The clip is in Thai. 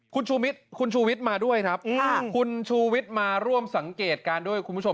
คุณชูวิทย์มาด้วยครับคุณชูวิทย์มาร่วมสังเกตการณ์ด้วยคุณผู้ชม